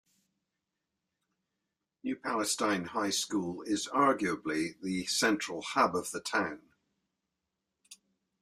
New Palestine High School is arguably the central hub of the town.